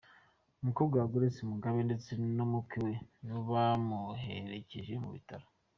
Umukobwa wa Grace Mugabe ndetse n’umukwe we nibo bamuherekeje mu bitaro.